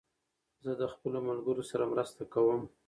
زه د خپلو ملګرو سره مرسته کوم.